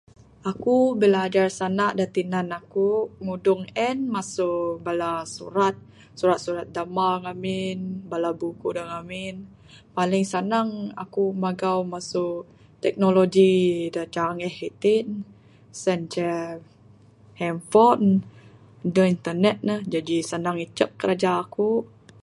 Aku' bilajar sanda' da' tinan aku' ngudung en masu bala surat, surat surat damba ngamin, bala buku da ngamin. Paling sanang aku magau masu teknoloji da canggih iti ne, sien ceh handphone. Aduh internet ne. Jaji senang icuk kiraja aku'.